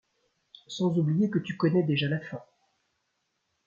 Sans oublier que tu connais déjà la fin.